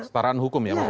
setaraan hukum ya maksudnya